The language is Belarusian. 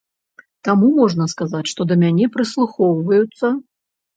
Таму можна сказаць, што да мяне прыслухоўваюцца.